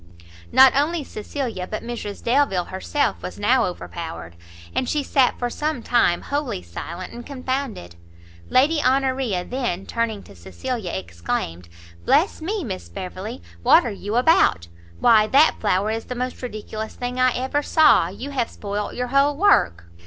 Not only Cecilia, but Mrs Delvile herself was now overpowered, and she sat for some time wholly silent and confounded; Lady Honoria then, turning to Cecilia exclaimed, "Bless me, Miss Beverley, what are you about! why that flower is the most ridiculous thing I ever saw! you have spoilt your whole work."